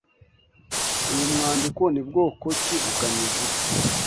Uyu mwandiko ni bwoko ki? Ugamije iki?